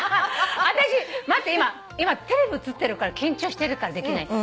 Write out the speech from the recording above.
私待って今テレビ映ってるから緊張してるからできない。